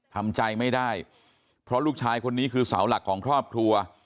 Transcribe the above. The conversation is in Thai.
ทำใจไม่ได้เพราะลูกชายคนนี้คือเสาหลักของครอบครัว